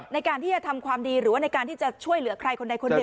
ในการที่จะทำความดีหรือว่าในการที่จะช่วยเหลือใครคนใดคนหนึ่ง